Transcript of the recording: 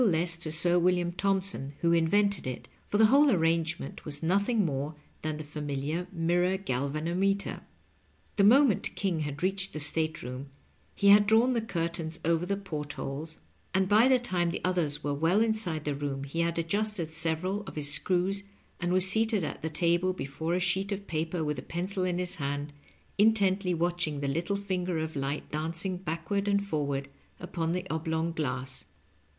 less to Sir William Thompson, who invented it, for the whole arrangement was nothing more than the familiar mirror galvanometer. The moment King had reached the state room he had drawn the curtains over the port holes, and by the time the others were well inside the room he had adjusted several of his screws, and was seated at the table before a sheet of paper with a pencil in his hand, intently watching the little finger of light dancing backward and forward upon the oblong glass.